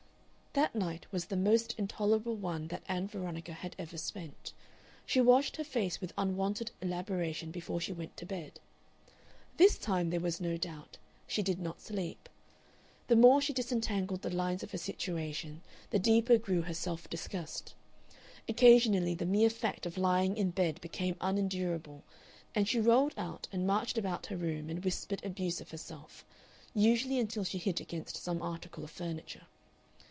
That night was the most intolerable one that Ann Veronica had ever spent. She washed her face with unwonted elaboration before she went to bed. This time, there was no doubt, she did not sleep. The more she disentangled the lines of her situation the deeper grew her self disgust. Occasionally the mere fact of lying in bed became unendurable, and she rolled out and marched about her room and whispered abuse of herself usually until she hit against some article of furniture.